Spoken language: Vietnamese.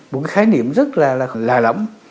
một cái khái niệm rất là lạ lẫm